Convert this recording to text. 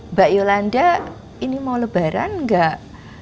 mbak yolanda ini mau lebaran enggak